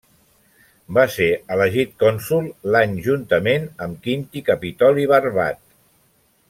Va ser elegit cònsol l'any juntament amb Quint Capitolí Barbat.